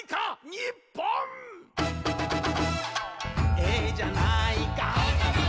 「ええじゃないか」